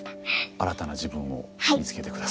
新たな自分を見つけて下さい。